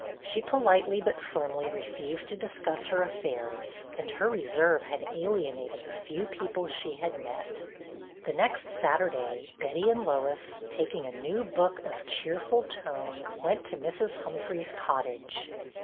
She politely but firmly refused to discuss her affairs, and her reserve had alienated the few people she had met. The next Saturday Betty and Lois, taking a new book of cheerful tone, went to Mrs. Humphrey's cottage.